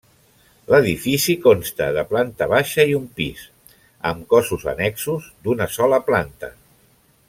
L'edifici consta de planta baixa i un pis, amb cossos annexos d'una sola planta.